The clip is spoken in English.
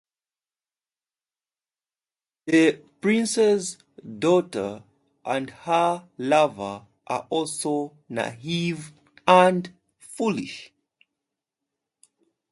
The prince's daughter and her lover are also naive and foolish.